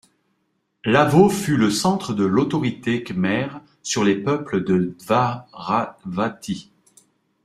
Lavo fut le centre de l'autorité khmère sur les peuples de Dvaravati.